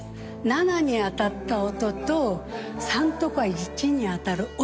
７に当たった音と３とか１に当たる音が違う。